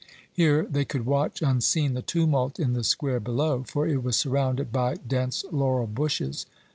Here they could watch unseen the tumult in the square below, for it was surrounded by dense laurel bushes.